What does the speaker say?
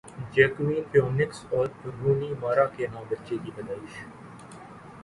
Joaquin Phoenix اور Rooney Mara کے ہاں بچے کی پیدائش